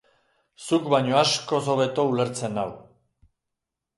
Zuk baino askoz hobeto ulertzen nau.